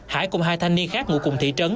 hải cùng hai thanh niên khác ngụ cùng thị trấn